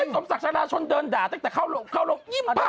สมศักดิ์ชะลาชนเดินด่าแต่เข้าลง